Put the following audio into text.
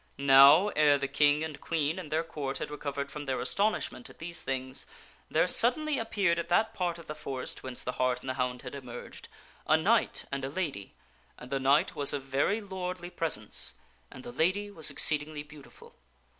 Now, ere the King and Queen and their Court had recovered from their astonishment at these things, there suddenly appeared at that part of the forest whence the hart and the hound had emerged, a knight and a lady, and the knight was of very lordly presence and the lady was exceedingly beautiful.